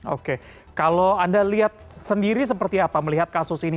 oke kalau anda lihat sendiri seperti apa melihat kasus ini